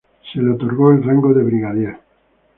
Se le otorgó el rango de brigadier.